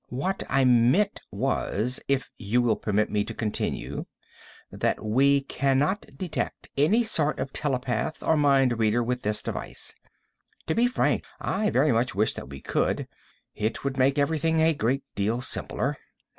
"What I meant was ... if you will permit me to continue ... that we cannot detect any sort of telepath or mind reader with this device. To be frank, I very much wish that we could; it would make everything a great deal simpler.